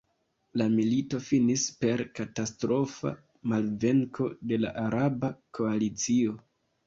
La milito finis per katastrofa malvenko de la araba koalicio.